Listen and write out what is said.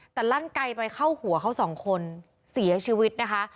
แต่ลั่นไกลไปเข้าหัวเขาสองคนเสียชีวิตนะคะ